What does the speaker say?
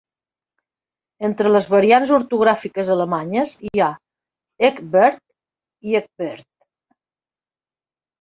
Entre les variants ortogràfiques alemanyes hi ha Ekbert i Ecbert.